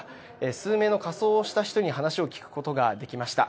数名の仮装をした人に話を聞くことができました。